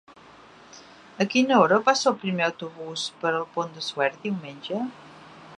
A quina hora passa el primer autobús per el Pont de Suert diumenge?